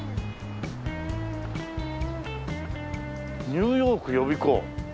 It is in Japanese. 「ニューヨーク予備校」